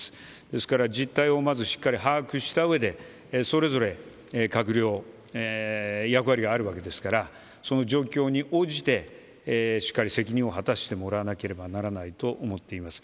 ですから、実態をまず把握したうえでそれぞれ閣僚には役割があるわけですからその状況に応じてしっかり責任を果たしてもらわなければいけないと思っています。